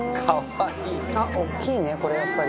大きいねこれやっぱり。